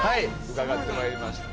伺ってまいりました。